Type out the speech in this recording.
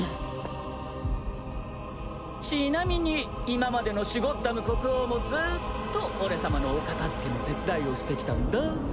ちなみに今までのシュゴッダム国王もずっと俺様のお片付けの手伝いをしてきたんだ。